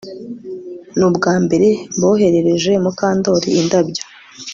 Ni ubwambere mboherereje Mukandoli indabyo